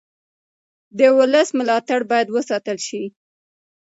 د ولس ملاتړ باید وساتل شي